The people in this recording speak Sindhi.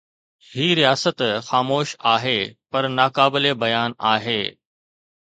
هي رياست خاموش آهي پر ناقابل بيان آهي.